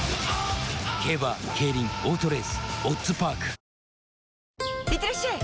［風磨が］いってらっしゃい！